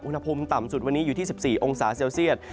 อุณหภูมิต่ำสุดวันนี้อยู่ที่๑๔องศาเซลเซียต